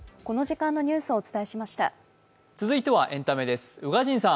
続いてはエンタメです。